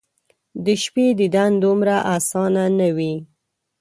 د شپې دیدن دومره اسانه ،نه وي